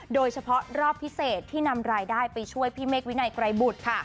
โดยเฉพาะรอบพิเศษที่นำรายได้ไปช่วยพี่เมฆวินัยไกรบุตรค่ะ